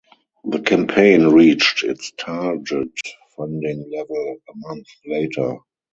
The campaign reached its target funding level a month later.